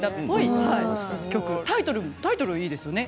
タイトルいいですよね